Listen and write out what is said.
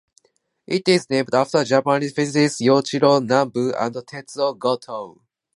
It is named after Japanese physicists Yoichiro Nambu and Tetsuo Goto.